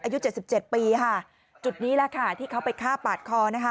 อายุเจ็ดสิบเจ็ดปีค่ะจุดนี้แหละค่ะที่เขาไปฆ่าปาดคอนะคะ